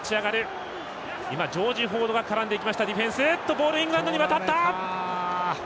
ボール、イングランドに渡った！